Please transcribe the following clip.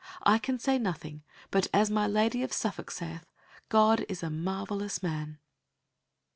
I can say nothing, but as my Lady of Suffolk saith, 'God is a marvellous man.